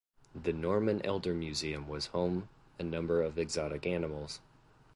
The Norman Elder Museum was home a number of exotic animals.